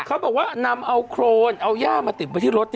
เขาบอกว่านำเอาโครนเอาย่ามาติดไว้ที่รถ